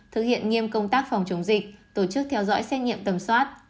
thực hiện nghiêm công tác phòng chống dịch tổ chức theo dõi xét nghiệm tầm soát